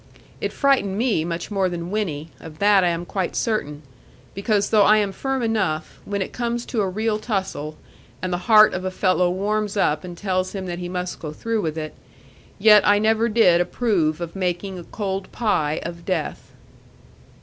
It frightened me much more than Winnie; of that I am quite certain: because though I am firm enough, when it comes to a real tussle, and the heart of a fellow warms up and tells him that he must go through with it; yet I never did approve of making a cold pie of death.